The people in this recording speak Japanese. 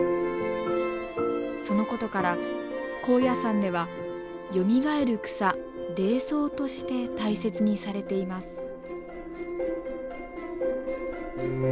そのことから高野山ではよみがえる草霊草として大切にされています。